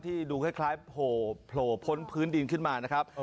ดูคล้ายโผล่พ้นพื้นดินขึ้นมานะครับ